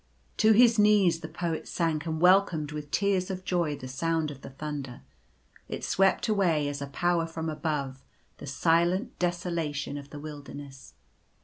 To his knees the Poet sank and welcomed with tears of joy the sound of the thunder. It swept away as a Powef from Above the silent desolation of the wilderness.